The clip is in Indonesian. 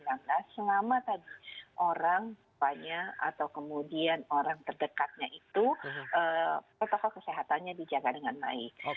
selama tadi orang tuanya atau kemudian orang terdekatnya itu protokol kesehatannya dijaga dengan baik